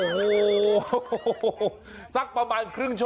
มาครั้งนี้มันจะมากินกินขนุนครับ